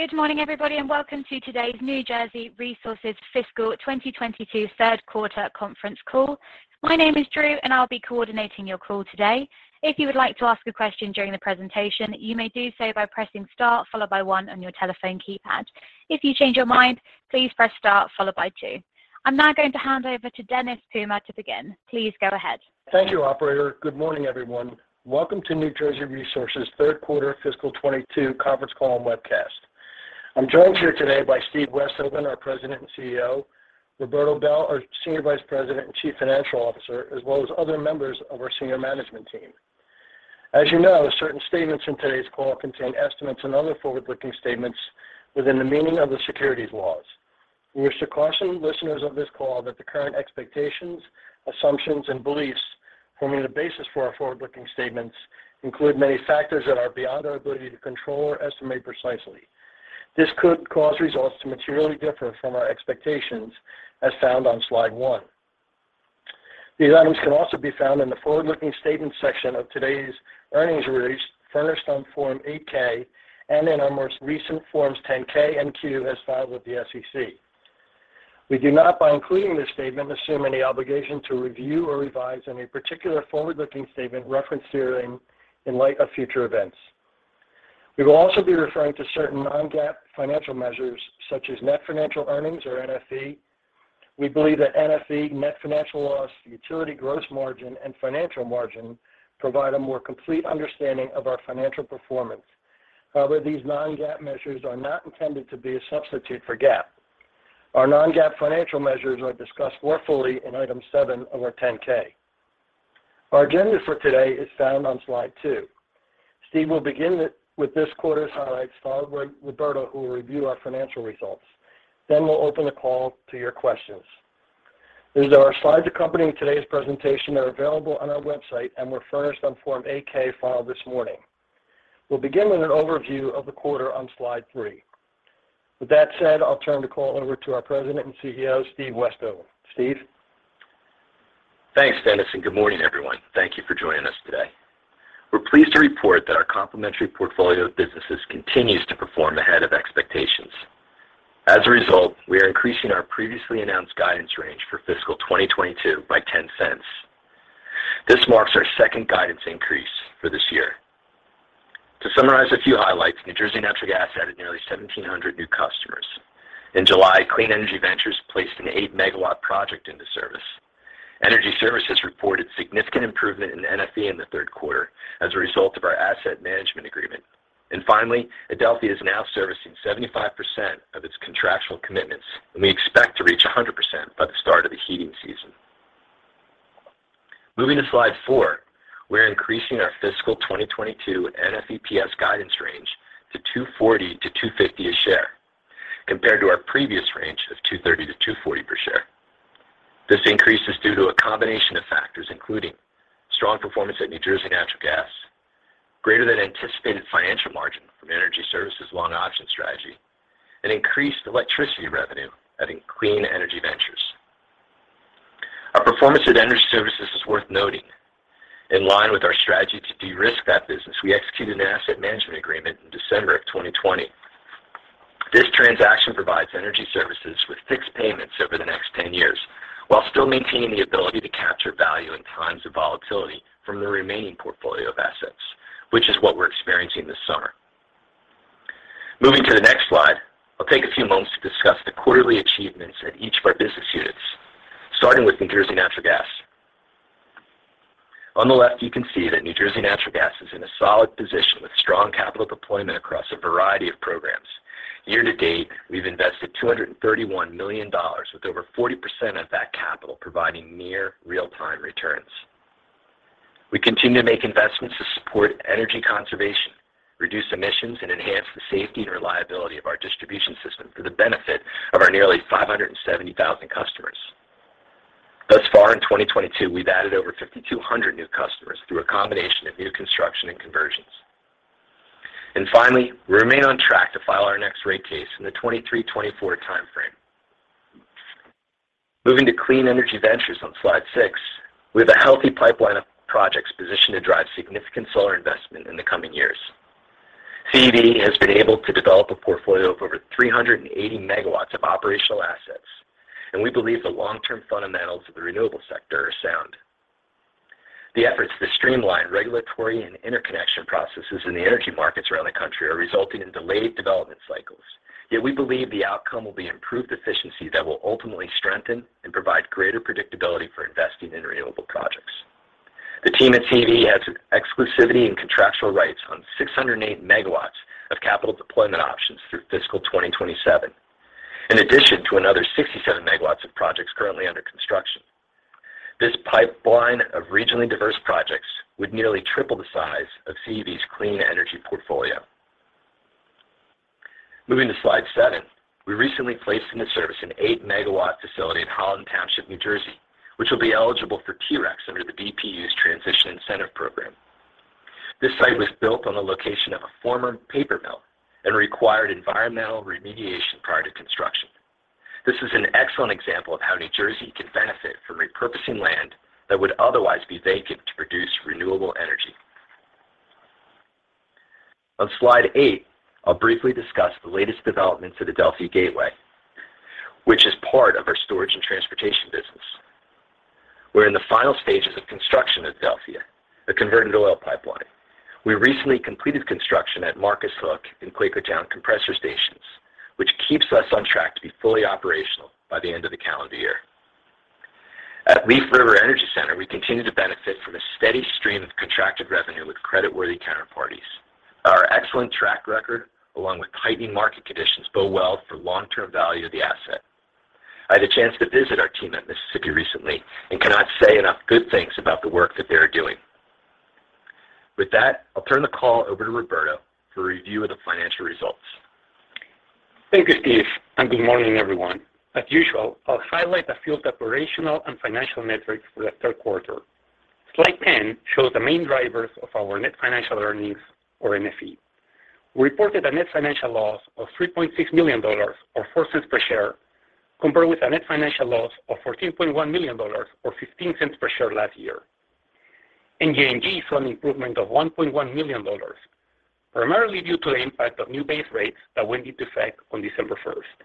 Good morning, everybody, and welcome to today's New Jersey Resources Fiscal 2022 third quarter conference call. My name is Drew, and I'll be coordinating your call today. If you would like to ask a question during the presentation, you may do so by pressing star followed by one on your telephone keypad. If you change your mind, please press star followed by two. I'm now going to hand over to Dennis Puma to begin. Please go ahead. Thank you, operator. Good morning, everyone. Welcome to New Jersey Resources third quarter fiscal 2022 conference call and webcast. I'm joined here today by Steve Westhoven, our President and CEO, Roberto Bel, our Senior Vice President and Chief Financial Officer, as well as other members of our senior management team. As you know, certain statements in today's call contain estimates and other forward-looking statements within the meaning of the securities laws. We wish to caution listeners of this call that the current expectations, assumptions, and beliefs forming the basis for our forward-looking statements include many factors that are beyond our ability to control or estimate precisely. This could cause results to materially differ from our expectations as found on slide one. These items can also be found in the forward-looking statement section of today's earnings release, furnished on Form 8-K and in our most recent Forms 10-K and 10-Q, as filed with the SEC. We do not, by including this statement, assume any obligation to review or revise any particular forward-looking statement referenced herein in light of future events. We will also be referring to certain non-GAAP financial measures, such as net financial earnings or NFE. We believe that NFE, net financial earnings, utility gross margin, and financial margin provide a more complete understanding of our financial performance. However, these non-GAAP measures are not intended to be a substitute for GAAP. Our non-GAAP financial measures are discussed more fully in Item 7 of our 10-K. Our agenda for today is found on Slide 2. Steve will begin with this quarter's highlights, followed by Roberto, who will review our financial results. We'll open the call to your questions. As our slides accompanying today's presentation are available on our website and were furnished on Form 8-K filed this morning. We'll begin with an overview of the quarter on Slide 3. With that said, I'll turn the call over to our President and CEO, Steve Westhoven. Steve? Thanks, Dennis, and good morning, everyone. Thank you for joining us today. We're pleased to report that our complementary portfolio of businesses continues to perform ahead of expectations. As a result, we are increasing our previously announced guidance range for fiscal 2022 by $0.10. This marks our second guidance increase for this year. To summarize a few highlights, New Jersey Natural Gas added nearly 1,700 new customers. In July, Clean Energy Ventures placed an 8 MW project into service. Energy Services reported significant improvement in NFE in the third quarter as a result of our asset management agreement. Finally, Adelphia is now servicing 75% of its contractual commitments, and we expect to reach 100% by the start of the heating season. Moving to Slide 4, we're increasing our fiscal 2022 NFEPS guidance range to $2.40-$2.50 a share compared to our previous range of $2.30-$2.40 per share. This increase is due to a combination of factors, including strong performance at New Jersey Natural Gas, greater than anticipated financial margin from Energy Services' long option strategy, and increased electricity revenue at Clean Energy Ventures. Our performance at Energy Services is worth noting. In line with our strategy to de-risk that business, we executed an asset management agreement in December of 2020. This transaction provides Energy Services with fixed payments over the next 10 years while still maintaining the ability to capture value in times of volatility from the remaining portfolio of assets, which is what we're experiencing this summer. Moving to the next slide, I'll take a few moments to discuss the quarterly achievements at each of our business units, starting with New Jersey Natural Gas. On the left, you can see that New Jersey Natural Gas is in a solid position with strong capital deployment across a variety of programs. Year to date, we've invested $231 million, with over 40% of that capital providing near real-time returns. We continue to make investments to support energy conservation, reduce emissions, and enhance the safety and reliability of our distribution system for the benefit of our nearly 570,000 customers. Thus far in 2022, we've added over 5,200 new customers through a combination of new construction and conversions. Finally, we remain on track to file our next rate case in the 2023-2024 time frame. Moving to Clean Energy Ventures on Slide 6, we have a healthy pipeline of projects positioned to drive significant solar investment in the coming years. CEV has been able to develop a portfolio of over 380 MW of operational assets, and we believe the long-term fundamentals of the renewable sector are sound. The efforts to streamline regulatory and interconnection processes in the energy markets around the country are resulting in delayed development cycles. Yet we believe the outcome will be improved efficiency that will ultimately strengthen and provide greater predictability for investing in renewable projects. The team at CEV has exclusivity and contractual rights on 608 MW of capital deployment options through fiscal 2027. In addition to another 67 MW of projects currently under construction. This pipeline of regionally diverse projects would nearly triple the size of CEV's clean energy portfolio. Moving to Slide 7. We recently placed into service an 8 MW facility in Holland Township, New Jersey, which will be eligible for TRECs under the BPU's Transition Incentive Program. This site was built on the location of a former paper mill and required environmental remediation prior to construction. This is an excellent example of how New Jersey can benefit from repurposing land that would otherwise be vacant to produce renewable energy. On Slide 8, I'll briefly discuss the latest developments of Adelphia Gateway, which is part of our Storage and Transportation business. We're in the final stages of construction at Adelphia, the converted oil pipeline. We recently completed construction at Marcus Hook and Quakertown compressor stations, which keeps us on track to be fully operational by the end of the calendar year. At Leaf River Energy Center, we continue to benefit from a steady stream of contracted revenue with creditworthy counterparties. Our excellent track record, along with tightening market conditions, bode well for long-term value of the asset. I had a chance to visit our team at Mississippi recently and cannot say enough good things about the work that they are doing. With that, I'll turn the call over to Roberto for a review of the financial results. Thank you, Steve, and good morning, everyone. As usual, I'll highlight a few operational and financial metrics for the third quarter. Slide 10 shows the main drivers of our net financial earnings, or NFE. We reported a net financial loss of $3.6 million, or $0.04 per share, compared with a net financial loss of $14.1 million, or $0.15 per share last year. NJNG saw an improvement of $1.1 million, primarily due to the impact of new base rates that went into effect on December 1st.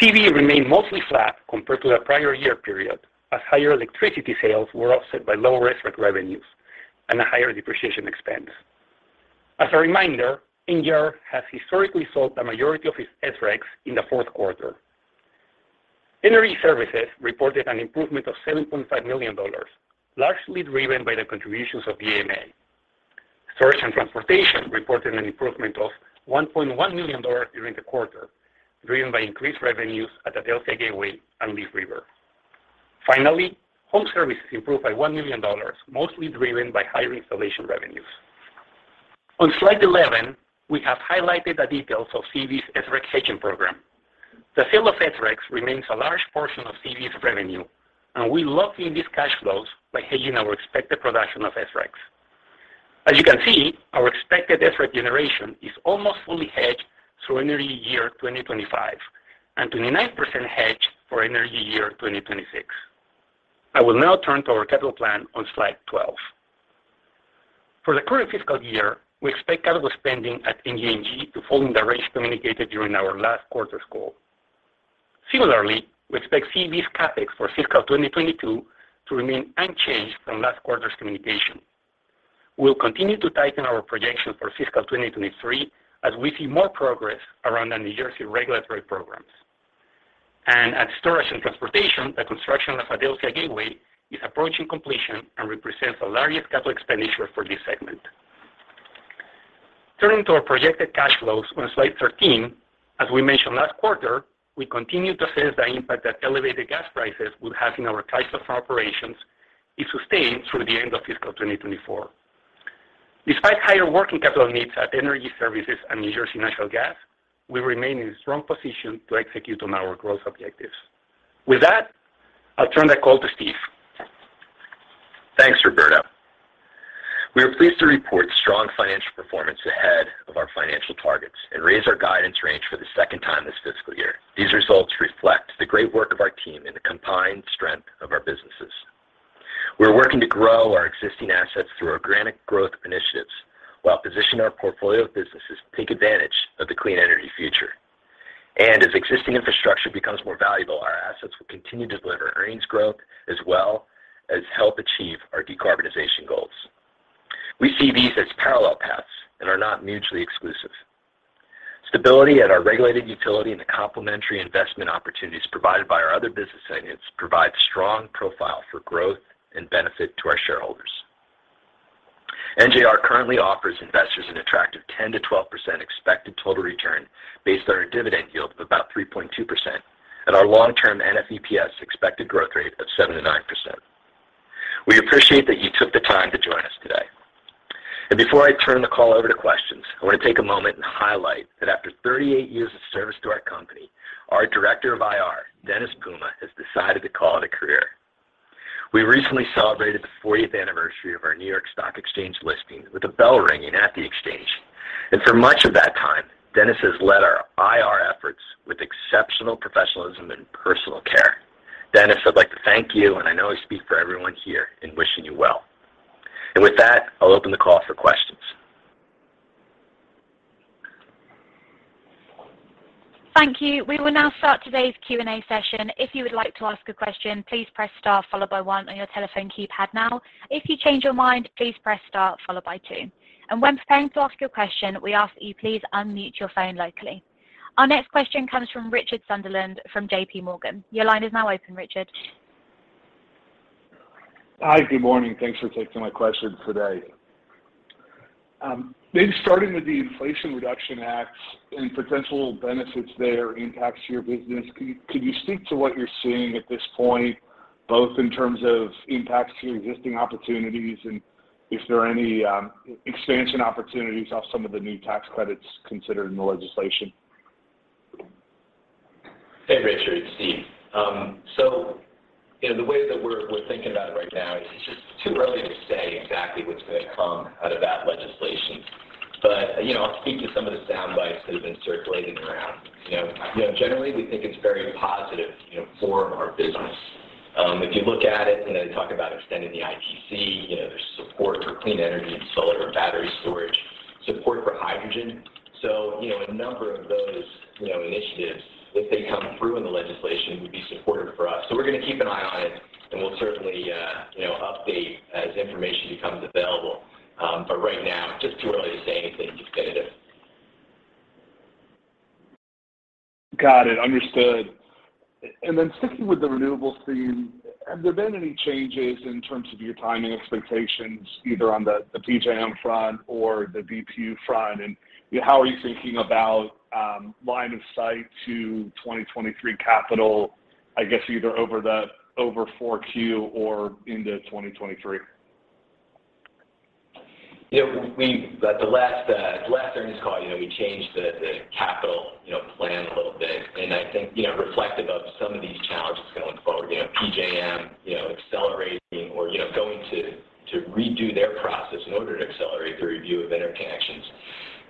CEV remained mostly flat compared to the prior year period, as higher electricity sales were offset by lower SREC revenues and a higher depreciation expense. As a reminder, NJR has historically sold the majority of its SRECs in the fourth quarter. Energy Services reported an improvement of $7.5 million, largely driven by the contributions of CEV. Storage and Transportation reported an improvement of $1.1 million during the quarter, driven by increased revenues at Adelphia Gateway and Leaf River. Finally, Home Services improved by $1 million, mostly driven by higher installation revenues. On Slide 11, we have highlighted the details of CEV's SREC hedging program. The sale of SRECs remains a large portion of CEV's revenue, and we lock in these cash flows by hedging our expected production of SRECs. As you can see, our expected SREC generation is almost fully hedged through energy year 2025, and 29% hedged for energy year 2026. I will now turn to our capital plan on Slide 12. For the current fiscal year, we expect capital spending at NJNG to fall in the range communicated during our last quarter's call. Similarly, we expect CEV's CapEx for fiscal 2022 to remain unchanged from last quarter's communication. We'll continue to tighten our projections for fiscal 2023 as we see more progress around the New Jersey regulatory programs. At storage and transportation, the construction of Adelphia Gateway is approaching completion and represents the largest capital expenditure for this segment. Turning to our projected cash flows on Slide 13, as we mentioned last quarter, we continue to assess the impact that elevated gas prices will have in our types of operations if sustained through the end of fiscal 2024. Despite higher working capital needs at Energy Services and New Jersey Natural Gas, we remain in a strong position to execute on our growth objectives. With that, I'll turn the call to Steve. Thanks, Roberto. We are pleased to report strong financial performance ahead of our financial targets and raise our guidance range for the second time this fiscal year. These results reflect the great work of our team and the combined strength of our businesses. We're working to grow our existing assets through organic growth initiatives while positioning our portfolio of businesses to take advantage of the clean energy future. As existing infrastructure becomes more valuable, our assets will continue to deliver earnings growth as well as help achieve our decarbonization goals. We see these as parallel paths and are not mutually exclusive. Stability at our regulated utility and the complementary investment opportunities provided by our other business segments provide strong profile for growth and benefit to our shareholders. NJR currently offers investors an attractive 10%-12% expected total return based on our dividend yield of about 3.2% and our long-term NFEPS expected growth rate of 7%-9%. We appreciate that you took the time to join us today. Before I turn the call over to questions, I want to take a moment and highlight that after 38 years of service to our company, our Director of IR, Dennis Puma, has decided to call it a career. We recently celebrated the 40th anniversary of our New York Stock Exchange listing with a bell ringing at the exchange. For much of that time, Dennis has led our IR efforts with exceptional professionalism and personal care. Dennis, I'd like to thank you, and I know I speak for everyone here in wishing you well. With that, I'll open the call for questions. Thank you. We will now start today's Q&A session. If you would like to ask a question, please press star followed by one on your telephone keypad now. If you change your mind, please press star followed by two. When preparing to ask your question, we ask that you please unmute your phone locally. Our next question comes from Richard Sunderland from J.P. Morgan. Your line is now open, Richard. Hi. Good morning. Thanks for taking my question today. Maybe starting with the Inflation Reduction Act and potential benefits there impacts your business. Could you speak to what you're seeing at this point, both in terms of impacts to your existing opportunities and if there are any, expansion opportunities off some of the new tax credits considered in the legislation? Hey, Richard, it's Steve. You know, the way that we're thinking about it right now is it's just too early to say exactly what's gonna come out of that legislation. You know, I'll speak to some of the soundbites that have been circulating around. You know, generally, we think it's very positive, you know, for our business. If you look at it, you know, they talk about extending the ITC, you know, there's support for clean energy and solar and battery storage, support for hydrogen. You know, a number of those, you know, initiatives, if they come through in the legislation, would be supportive for us. We're gonna keep an eye on it, and we'll certainly, you know, update as information becomes available. Right now, it's just too early to say anything definitive. Got it. Understood. Sticking with the renewables theme, have there been any changes in terms of your timing expectations, either on the PJM front or the BPU front? How are you thinking about line of sight to 2023 capital, I guess, either over 4Q or into 2023? Yeah. The last earnings call, you know, we changed the capital plan a little bit, and I think, you know, reflective of some of these challenges going forward. You know, PJM accelerating or going to redo their process in order to accelerate the review of interconnections.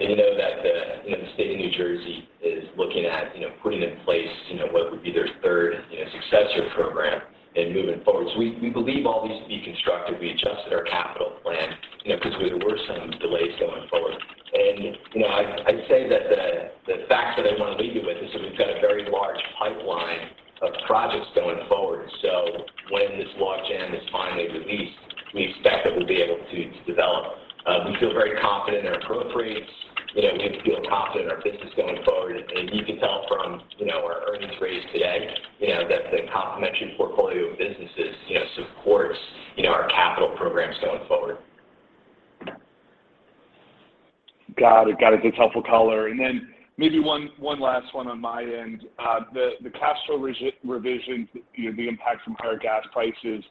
You know that the state of New Jersey is looking at putting in place what would be their third successor program in moving forward. We believe all these to be constructive. We adjusted our capital plan, you know, 'cause there were some delays going forward. You know, I'd say that the fact that I wanna leave you with is that we've got a very large pipeline of projects going forward. When this logjam is finally released, we expect that we'll be able to develop. We feel very confident in our approved rates. You know, we feel confident in our business going forward. You can tell from, you know, our earnings raise today, you know, that the complementary portfolio of businesses, you know, supports, you know, our capital programs going forward. Got it. That's helpful color. Then maybe one last one on my end. The cash flow revision, you know, the impact from higher gas prices,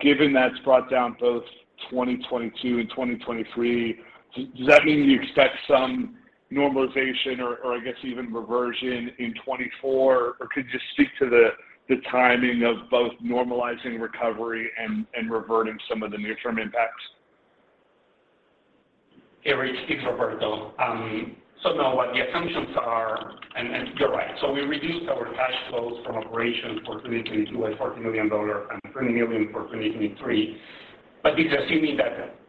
given that's brought down both 2022 and 2023, does that mean you expect some normalization or I guess, even reversion in 2024? Or could you just speak to the timing of both normalizing recovery and reverting some of the near-term impacts? Yeah, Rich. It's Roberto. No. What the assumptions are. You're right. We reduced our cash flows from operations for 2022 by $40 million and $20 million for 2023. We're assuming that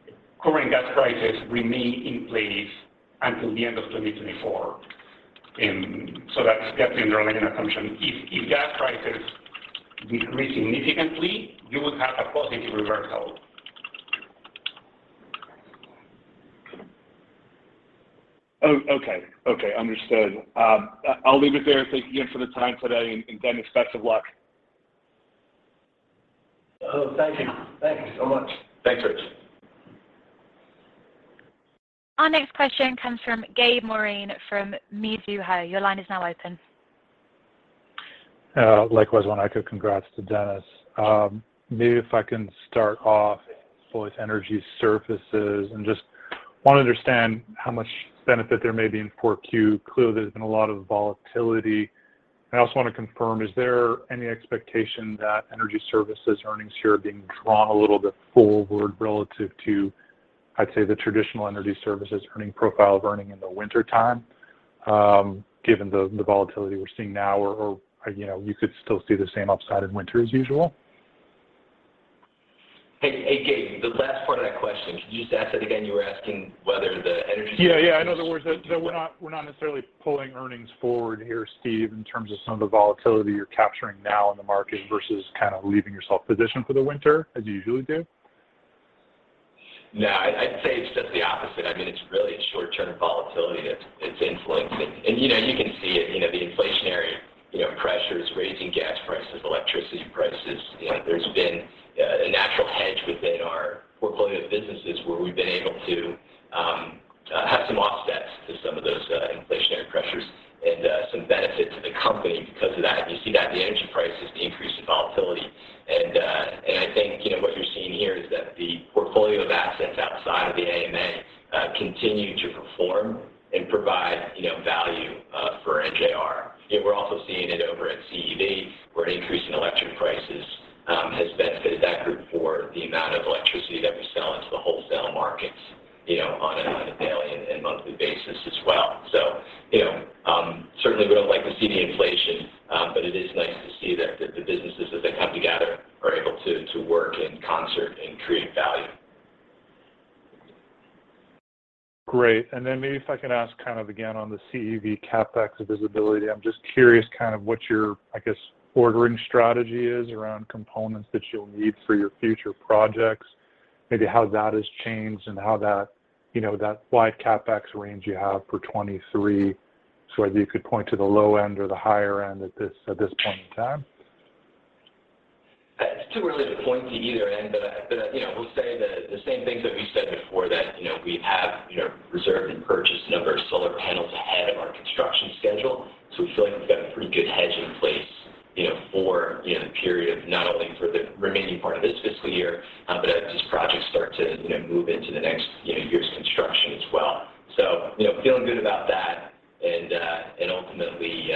current gas prices remain in place until the end of 2024. That's definitely the underlying assumption. If gas prices decrease significantly, you would have a positive reversal. Okay. Understood. I'll leave it there. Thank you again for the time today, and Dennis, best of luck. Oh, thank you. Thank you so much. Thanks, Rich. Our next question comes from Gabe Moreen from Mizuho. Your line is now open. Likewise, want to echo congrats to Dennis. Maybe if I can start off with Energy Services, and just wanna understand how much benefit there may be in 4Q. Clearly, there's been a lot of volatility. I also want to confirm, is there any expectation that Energy Services earnings here are being drawn a little bit forward relative to, I'd say, the traditional Energy Services earning profile of earning in the wintertime, given the volatility we're seeing now? Or, you know, you could still see the same upside in winter as usual? Hey, Gabe. The last part of that question, could you just ask that again? You were asking whether the energy- Yeah, yeah. In other words, that we're not necessarily pulling earnings forward here, Steve, in terms of some of the volatility you're capturing now in the market versus kind of leaving yourself positioned for the winter as you usually do? No. I'd say it's just the opposite. I mean, it's really short-term volatility that's influencing. You know, you can see it, you know, the inflationary, you know, pressures, raising gas prices, electricity prices. You know, there's been a natural hedge within our portfolio of businesses where we've been able to have some offsets to some of those inflationary pressures and some benefit to the company because of that. You see that in the energy prices, the increase in volatility. I think, It's too early to point to either end. I you know will say the same things that we've said before, that you know we have you know reserved and purchased a number of solar panels ahead of our construction schedule. We feel like we've got a pretty good hedge in place, you know for you know the period of not only for the remaining part of this fiscal year, but as these projects start to you know move into the next you know year's construction as well. You know, feeling good about that. Ultimately,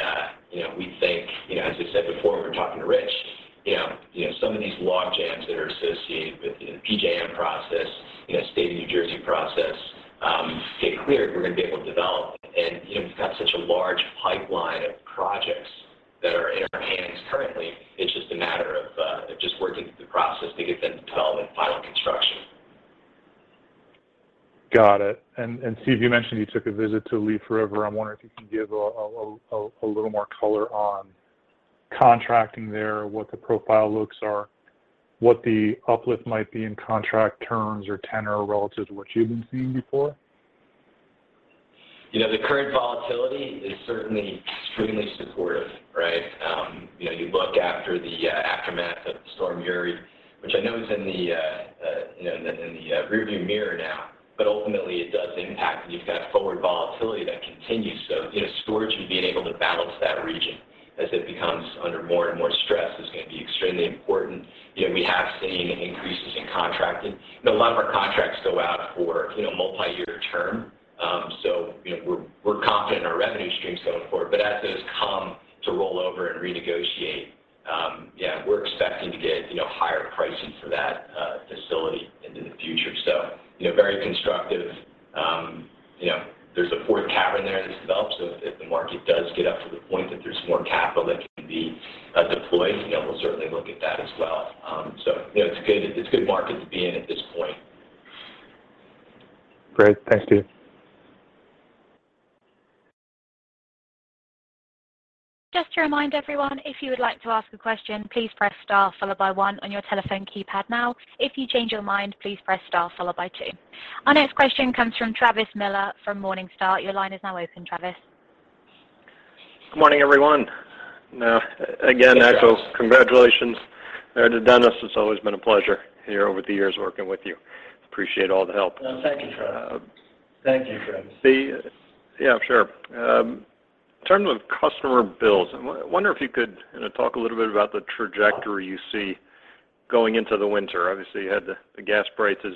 you know, we think, you know, as I said before when we were talking to Rich, you know, some of these logjams that are associated with PJM process, you know, state of New Jersey process get cleared, we're gonna be able to develop. You know, we've got such a large pipeline of projects that are in our hands currently, it's just a matter of just working through the process to get them to develop and final construction. Got it. Steve, you mentioned you took a visit to Leaf River. I wonder if you can give a little more color on contracting there, what the profile looks are, what the uplift might be in contract terms or tenure relative to what you've been seeing before. You know, the current volatility is certainly extremely supportive, right? You know, you look at the aftermath of Storm Uri, which I know is in the rearview mirror now, but ultimately it does impact, and you've got forward volatility that continues. You know, storage and being able to balance that region as it becomes under more and more stress is gonna be extremely important. You know, we have seen increases in contracting. You know, a lot of our contracts go out for multi-year term. You know, we're confident in our revenue streams going forward. But as those come to roll over and renegotiate, yeah, we're expecting to get higher pricing for that facility into the future. You know, very constructive. You know, there's a fourth cavern there that's developed, so if the market does get up to the point that there's more capital that can be deployed, you know, we'll certainly look at that as well. You know, it's good. It's good market to be in at this point. Great. Thanks, Steve. Just to remind everyone, if you would like to ask a question, please press star followed by one on your telephone keypad now. If you change your mind, please press star followed by two. Our next question comes from Travis Miller from Morningstar. Your line is now open, Travis. Good morning, everyone. Now, Hi, Travis. Congratulations to Dennis Puma. It's always been a pleasure here over the years working with you. Appreciate all the help. No, thank you, Travis. Thank you, Travis. Yeah, sure. In terms of customer bills, I wonder if you could, you know, talk a little bit about the trajectory you see going into the winter. Obviously, you had the gas prices,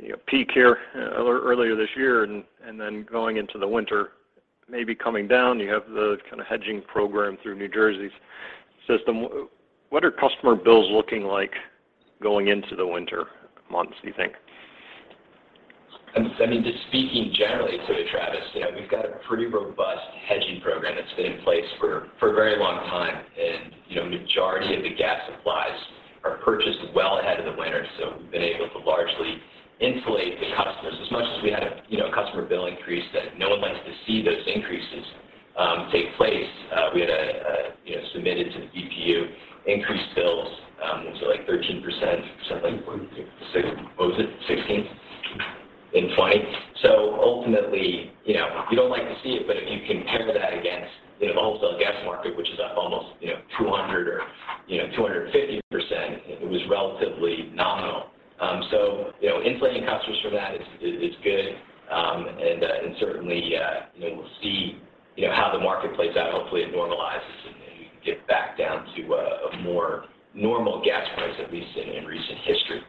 you know, peak here earlier this year and then going into the winter, maybe coming down. You have the kind of hedging program through New Jersey's system. What are customer bills looking like going into the winter months, do you think? I mean, just speaking generally to it, Travis, you know, we've got a pretty robust hedging program that's been in place for a very long time. You know, majority of the gas supplies are purchased well ahead of the winter, so we've been able to largely insulate the customers. As much as we had a, you know, customer bill increase that no one likes to see those increases take place, we had, you know, submitted to the BPU increased bills, so like 13%, something like—what was it? 16% in 2020. Ultimately, you know, you don't like to see it, but if you compare that against the wholesale gas market, which is up almost, you know, 200 or, you know, 250%, it was relatively nominal. You know, insulating customers from that is good. Certainly, you know, we'll see, you know, how the market plays out. Hopefully it normalizes and we can get back down to a more normal gas price, at least in recent history.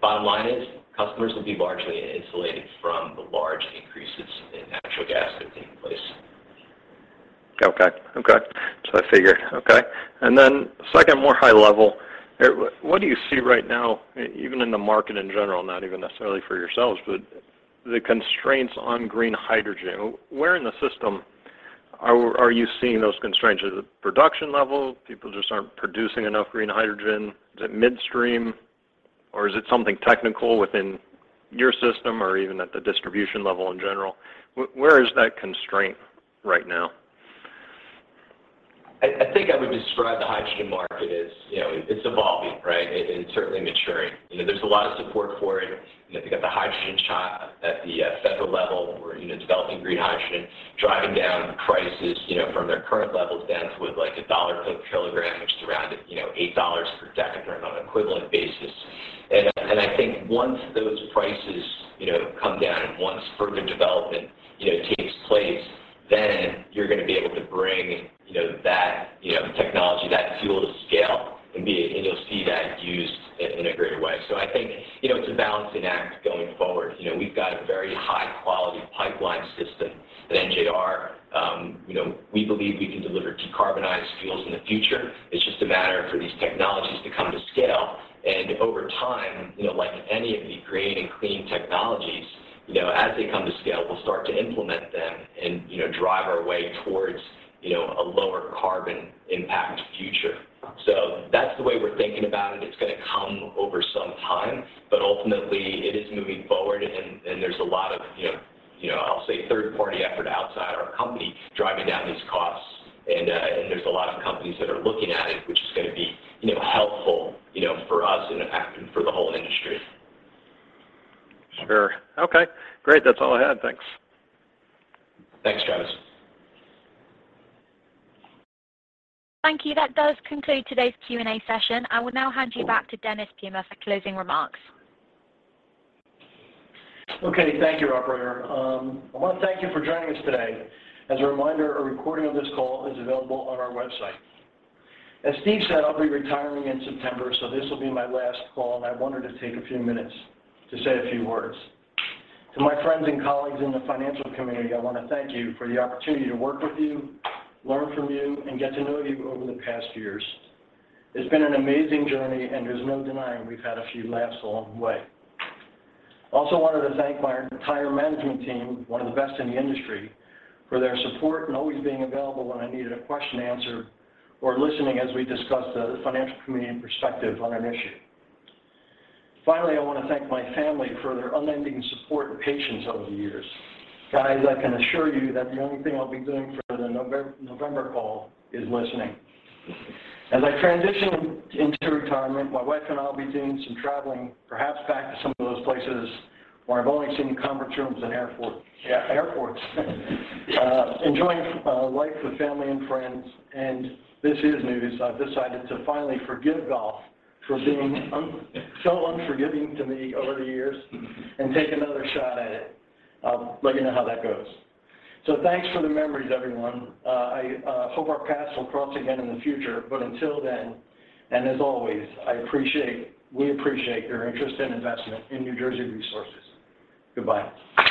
Bottom line is, customers will be largely insulated from the large increases in natural gas that are taking place. Okay. Okay. That's what I figured. Okay. Second, more high level. What do you see right now, even in the market in general, not even necessarily for yourselves, but the constraints on green hydrogen. Where in the system are you seeing those constraints? Are they production level? People just aren't producing enough green hydrogen? Is it midstream, or is it something technical within your system or even at the distribution level in general? Where is that constraint right now? I think I would describe the hydrogen market as, you know, it's evolving, right? It's certainly maturing. You know, there's a lot of support for it. You know, if you've got the Hydrogen Shot at the federal level where, you know, developing green hydrogen, driving down prices, you know, from their current levels down to what, like $1 per kilogram, which is around, you know, $8 per decatherm on an equivalent basis. I think once those prices, you know, come down and once further development, you know, takes place, then you're gonna be able to bring, you know, that, you know, technology, that fuel to scale and you'll see that used in a greater way. I think, you know, it's a balancing act going forward. You know, we've got a very high-quality pipeline system at NJR. You know, we believe we can deliver decarbonized fuels in the future. It's just a matter for these technologies to come to scale. Over time, you know, like any of the green and clean technologies, you know, as they come to scale, we'll start to implement them and, you know, drive our way towards, you know, a lower carbon impact future. That's the way we're thinking about it. It's gonna come over some time, but ultimately it is moving forward and there's a lot of, you know, I'll say third-party effort outside our company driving down these costs. There's a lot of companies that are looking at it, which is gonna be, you know, helpful, you know, for us and, in fact, for the whole industry. Sure. Okay. Great. That's all I had. Thanks. Thanks, Travis. Thank you. That does conclude today's Q&A session. I will now hand you back to Dennis Puma for closing remarks. Okay. Thank you, operator. I wanna thank you for joining us today. As a reminder, a recording of this call is available on our website. As Steve said, I'll be retiring in September, so this will be my last call, and I wanted to take a few minutes to say a few words. To my friends and colleagues in the financial community, I wanna thank you for the opportunity to work with you, learn from you, and get to know you over the past years. It's been an amazing journey, and there's no denying we've had a few laughs along the way. I also wanted to thank my entire management team, one of the best in the industry, for their support and always being available when I needed a question answered or listening as we discussed the financial community perspective on an issue. Finally, I wanna thank my family for their unending support and patience over the years. Guys, I can assure you that the only thing I'll be doing for the November call is listening. As I transition into retirement, my wife and I will be doing some traveling, perhaps back to some of those places where I've only seen conference rooms and airports. Enjoying life with family and friends. This is news. I've decided to finally forgive golf for being so unforgiving to me over the years and take another shot at it. I'll let you know how that goes. Thanks for the memories, everyone. I hope our paths will cross again in the future. Until then, and as always, I appreciate, we appreciate your interest and investment in New Jersey Resources. Goodbye.